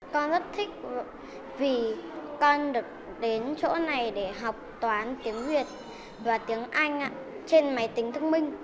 con rất thích vì con được đến chỗ này để học toán tiếng việt và tiếng anh ạ trên máy tính thông minh